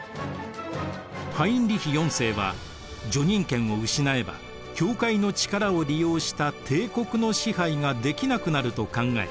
ハインリヒ４世は叙任権を失えば教会の力を利用した帝国の支配ができなくなると考え